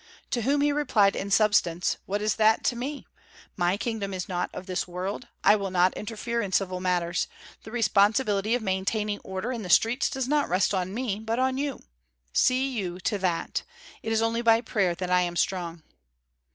To whom he replied, in substance, "What is that to me? My kingdom is not of this world. I will not interfere in civil matters. The responsibility of maintaining order in the streets does not rest on me, but on you. See you to that. It is only by prayer that I am strong."